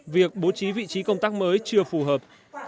việc bố trí vị trí công tác mới chưa phù hợp